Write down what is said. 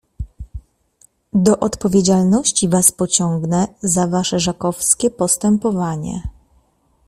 "Do odpowiedzialności was pociągnę za wasze żakowskie postępowanie."